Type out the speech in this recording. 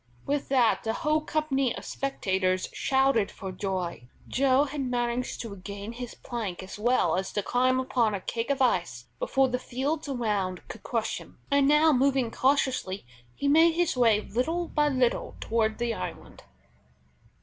With that the whole company of spectators shouted for joy. Joe had managed to regain his plank as well as to climb upon a cake of ice before the fields around could crush him, and now moving cautiously, he made his way, little by little toward the island.